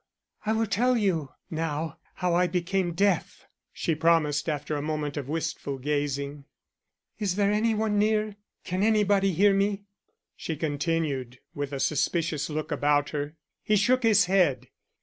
I will tell you now how I became deaf," she promised after a moment of wistful gazing. "Is there any one near? Can anybody hear me?" she continued, with a suspicious look about her. He shook his head.